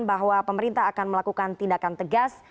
bahwa pemerintah akan melakukan tindakan tegas